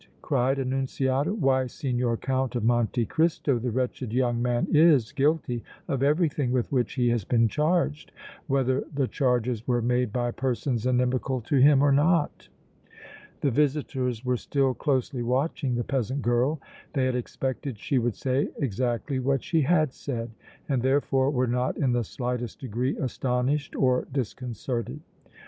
cried Annunziata. "Why, Signor Count of Monte Cristo, the wretched young man is guilty of everything with which he has been charged, whether the charges were made by persons inimical to him or not!" The visitors were still closely watching the peasant girl. They had expected she would say exactly what she had said and, therefore, were not in the slightest degree astonished or disconcerted.